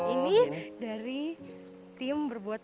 ini dari mana mas robin